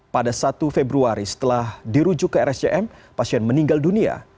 pada satu februari setelah dirujuk ke rsjm pasien meninggal dunia